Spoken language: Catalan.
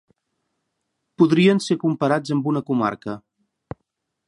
Podrien ser comparats amb una comarca.